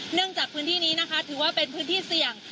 จากพื้นที่นี้นะคะถือว่าเป็นพื้นที่เสี่ยง